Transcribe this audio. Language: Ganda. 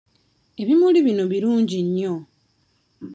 Ebimuli bino birungi nnyo.